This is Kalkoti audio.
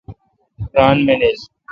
ران منیل۔